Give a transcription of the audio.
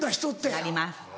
なります。